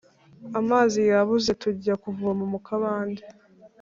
Amazi yabuze tujya kuvoma mukabande